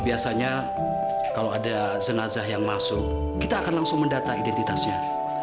biasanya kalau ada jenazah yang masuk kita akan langsung mendata identitasnya